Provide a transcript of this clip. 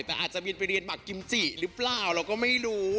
แต่อาจจะบินไปเรียนหมักกิมจิหรือเปล่าเราก็ไม่รู้